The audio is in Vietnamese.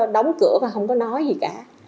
đóng cửa và không có nói gì cả